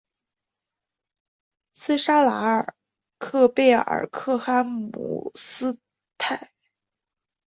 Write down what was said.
斯沙尔拉克贝尔甘伊尔姆斯泰。